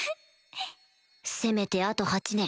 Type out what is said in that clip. せめてあと８年